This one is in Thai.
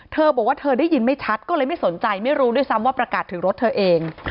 เธอบอกว่าเธอได้ยินไม่ชัดก็เลยไม่สนใจไม่รู้ด้วยซ้ำว่าประกาศถึงรถเธอเอง